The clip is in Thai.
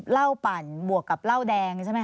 เล่าปั่นบวกกับเล่าแดงใช่ไหมคะ